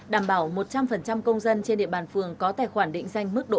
đảm bảo một trăm linh công dân trên địa bàn phường có tài khoản định danh mức độ bốn